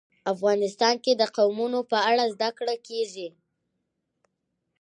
افغانستان کې د قومونه په اړه زده کړه کېږي.